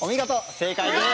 正解です。